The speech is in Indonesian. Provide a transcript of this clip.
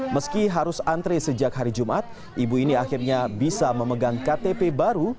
meski harus antre sejak hari jumat ibu ini akhirnya bisa memegang ktp baru